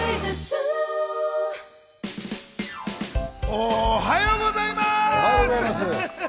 おはようございます！